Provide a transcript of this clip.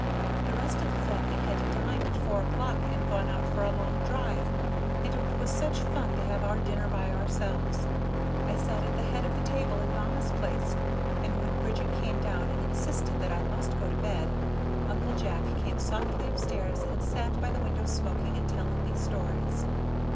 The rest of the family had dined at four o'clock and gone out for a long drive, and it was such fun to have our dinner by ourselves. I sat at the head of the table in mamma's place, and when Bridget came down and insisted that I must go to bed, Uncle Jack came softly up stairs and sat by the window, smoking and telling me stories.